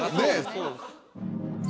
そうです